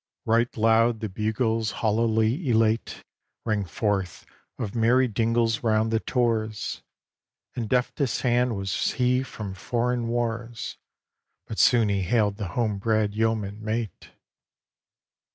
XIX Right loud the bugle's hallali elate Rang forth of merry dingles round the tors; And deftest hand was he from foreign wars, But soon he hailed the home bred yeoman mate.